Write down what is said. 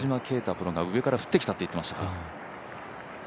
プロが、上から降ってきたと言ってましたから。